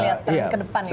kalau melihat ke depan ya